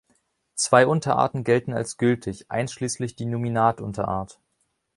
Zwei Unterarten gelten als gültig, einschließlich die Nominatunterart.